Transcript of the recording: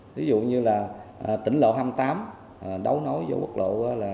ví dụ như là tỉnh lộ hai mươi tám đấu nối với quốc lộ tám mươi